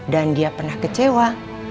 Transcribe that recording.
dan dia pernah kecewa